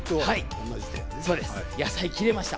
野菜、切れました。